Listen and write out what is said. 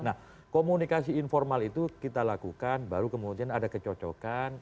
nah komunikasi informal itu kita lakukan baru kemudian ada kecocokan